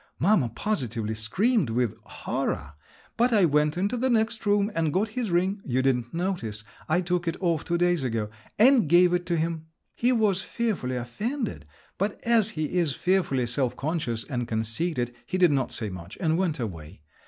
Mamma positively screamed with horror, but I went into the next room and got his ring—you didn't notice, I took it off two days ago—and gave it to him. He was fearfully offended, but as he is fearfully self conscious and conceited, he did not say much, and went away.